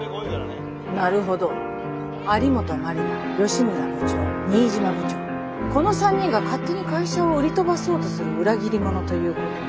なるほど有本マリナ吉村部長新島部長この３人が勝手に会社を売り飛ばそうとする裏切り者ということね。